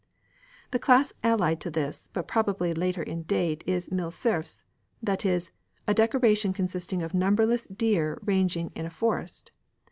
The class allied to this, but probably later in date, is "mille cerfs" that is, a decoration consisting of numberless deer ranging in a forest.